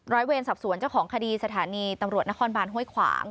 เวรสอบสวนเจ้าของคดีสถานีตำรวจนครบานห้วยขวาง